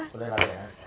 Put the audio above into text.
boleh lah ya